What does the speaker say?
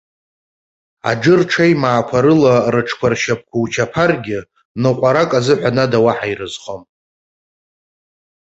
Аџыр ҽеимаақәа рыла рыҽқәа ршьапқәа учаԥаргьы, ныҟәарак азыҳәан ада уаҳа ирызхом.